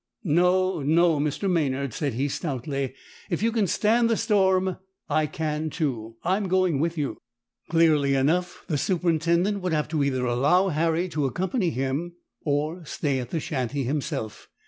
"No, no, Mr. Maynard," said he stoutly. "If you can stand the storm, I can too. I'm going with you." Clearly enough the superintendent would have to either allow Harry to accompany him or stay at the shanty himself.